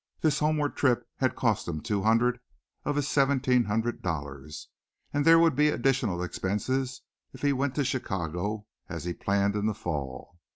This homeward trip had cost him two hundred of his seventeen hundred dollars and there would be additional expenses if he went to Chicago, as he planned in the fall.